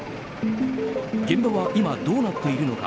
現場は今、どうなっているのか。